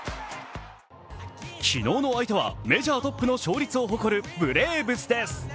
昨日の相手はメジャートップの勝率を誇るブレーブスです。